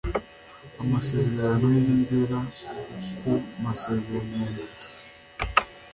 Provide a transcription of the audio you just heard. amasezerano y inyongera ku masezerano ya moto